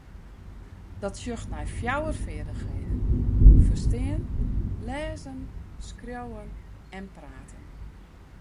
Dat sjocht nei fjouwer feardichheden: ferstean, lêzen, skriuwen en praten.